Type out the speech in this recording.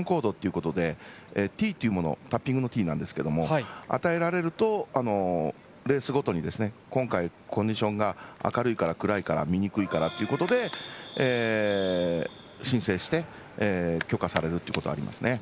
ＴっていうものタッピングのＴなんですけどレースごとに今回コンディションが明るいから暗いから見にくいからということで申請して、許可されるっていうのもあります。